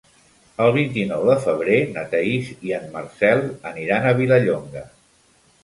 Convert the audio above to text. El vint-i-nou de febrer na Thaís i en Marcel aniran a Vilallonga.